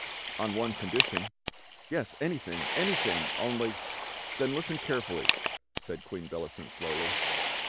] "On one condition —" "Yes, anything, anything, only —" "Then listen carefully," said Queen Bellicent slowly.